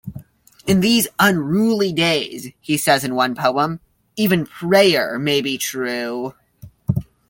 'In these unruly days,' he says in one poem, 'even prayer may be true.